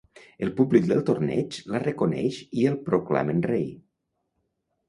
El públic del torneig la reconeix i el proclamen rei.